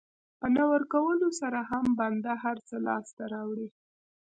په نه ورکولو سره هم بنده هر څه لاسته راوړي.